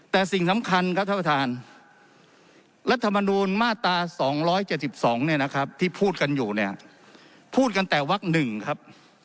แต่สิ่งสำคัญครับท่านรัฐมนูลมาตรา๒๗๒ที่พูดกันอยู่พูดกันแต่วักหนึ่งครับ